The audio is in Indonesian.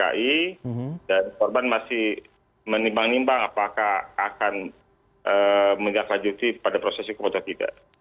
dan korban masih menimbang nimbang apakah akan menjaga kelanjutan pada prosesnya kepotok tidak